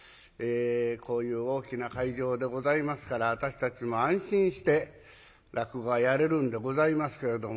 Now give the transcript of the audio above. こういう大きな会場でございますから私たちも安心して落語がやれるんでございますけれども。